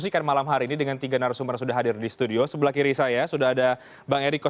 kenapa paling cerah nanti kita bahas ya bang